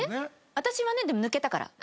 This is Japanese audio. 私はねでも抜けたから。